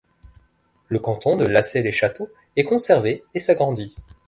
Le canton de Lassay-les-Châteaux est conservé et s'agrandit.